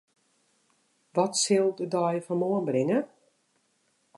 Wat sil de dei fan moarn bringe?